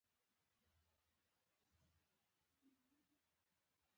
د دې کوترو باره کې دوه خبرې اورېدلې وې.